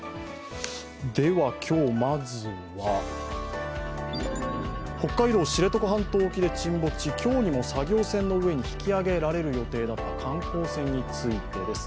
今日まずは、北海道・知床半島沖で沈没し今日にも作業船の上に引き揚げられる予定だった観光船についてです。